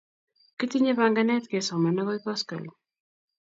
Kitinye panganet kesoman akoi koskoling'